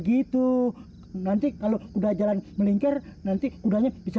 hai nanti kalau udah jalan melingkar nanti